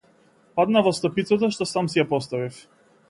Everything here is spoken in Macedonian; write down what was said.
Паднав во стапицата што сам си ја поставив.